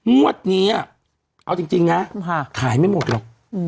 งวดนี้เอาจริงนะขายไม่หมดหรอก